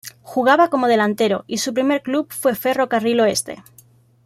Jugaba como delantero y su primer club fue Ferro Carril Oeste.